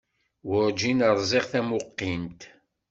Warǧin ṛziɣ tamuqint.